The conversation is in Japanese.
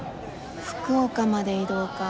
福岡まで移動か。